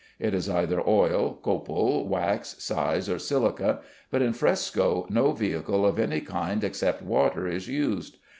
It is either oil, copal, wax, size, or silica, but in fresco no vehicle of any kind except water is used.